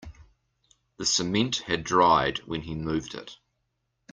The cement had dried when he moved it.